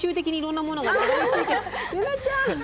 夢ちゃん。